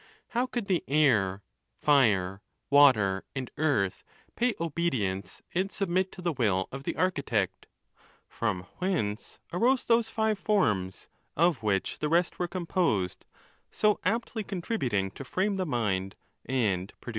How could the air, fire, water, and earth pay obedience and submit to the will of the architect ? From whence arose those five forms,'' of which the rest were composed, so aptly con tributing to frame the mind and produce the senses?